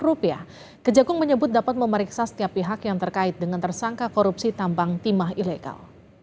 kejagung menyebut dapat memeriksa setiap pihak yang terkait dengan tersangka korupsi tambang timah ilegal